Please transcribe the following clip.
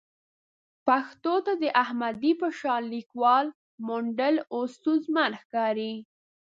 پښتو ته د احمدي په شان لیکوال موندل اوس ستونزمن ښکاري.